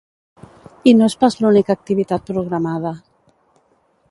I no és pas l’única activitat programada.